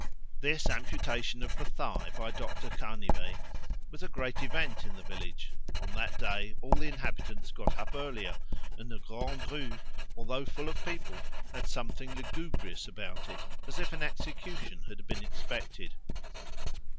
This amputation of the thigh by Doctor Canivet was a great event in the village. On that day all the inhabitants got up earlier, and the Grande Rue, although full of people, had something lugubrious about it, as if an execution had been expected.